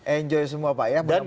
enjoy semua pak ya mudah mudahan